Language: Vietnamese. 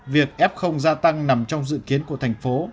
việc f gia tăng nằm trong dự kiến của thành phố